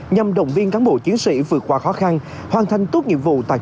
nhằm động viên cán bộ chiến sĩ vượt qua khó khăn hoàn thành tốt nhiệm của công an nhân dân